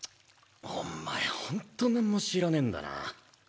お前ホント何も知らねえんだな